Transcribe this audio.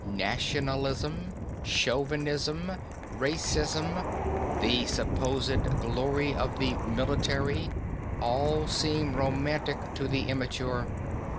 Nationalism, chauvinism, racism, the supposed glory of the military, all seem romantic to the immature.